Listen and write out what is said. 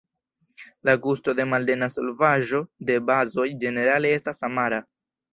La gusto de maldensa solvaĵo de bazoj ĝenerale estas amara.